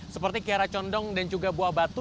seperti kiara condong dan juga buah batu